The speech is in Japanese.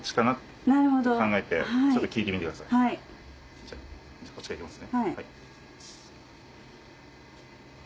じゃあこっちからいきますね。